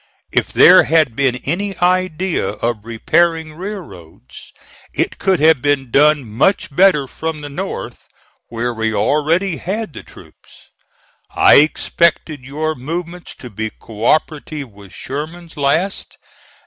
If there had been any idea of repairing railroads, it could have been done much better from the North, where we already had the troops. I expected your movements to be co operative with Sherman's last.